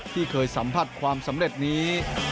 ที่เคยสัมผัสความสำเร็จนี้